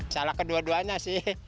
salah kedua duanya sih